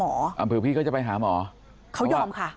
อำเภอพี่ก็จะไปหาหมอเขายอมค่ะ